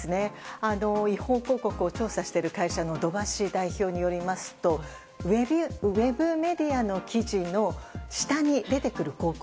違法広告を調査している会社の土橋代表によりますとウェブメディアの記事の下に出てくる広告。